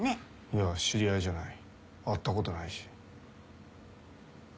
いや知り合いじゃない会ったことないし。